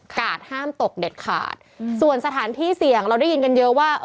ห้ามตกเด็ดขาดส่วนสถานที่เสี่ยงเราได้ยินกันเยอะว่า